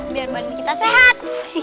biar balik kita sehat